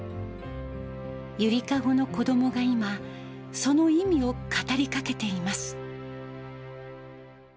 ゆりかごの子どもが今、その意味を語りかけています。